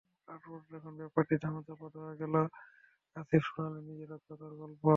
তারপরও যখন ব্যাপারটি ধামাচাপা দেওয়া গেল না, আসিফ শোনালেন নিজের অজ্ঞতার গল্প।